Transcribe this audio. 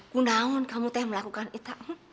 kunaun kamu teh melakukan itu